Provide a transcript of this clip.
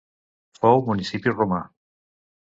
Fou municipi romà.